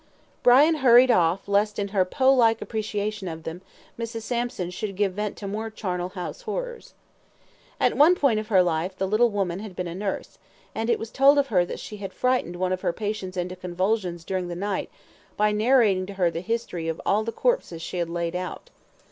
Brian hurried off lest in her Poe like appreciation of them, Mrs. Sampson should give vent to more charnel house horrors. At one period of her life, the little woman had been a nurse, and it was told of her that she had frightened one of her patients into convulsions during the night by narrating to her the history of all the corpses she had laid out.